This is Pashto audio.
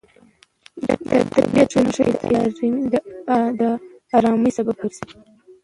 د طبیعت نښې د ارامۍ سبب ګرځي.